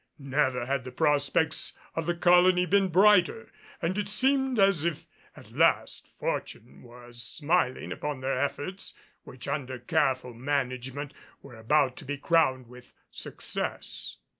Never had the prospects of the colony been brighter, and it seemed as if at last Fortune was smiling upon their efforts, which under careful management were about to be crowned with success.